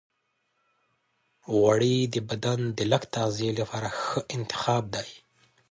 غوړې د بدن د لږ تغذیې لپاره ښه انتخاب دی.